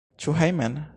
Ĉu hejmen?